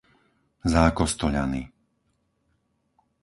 Zákostoľany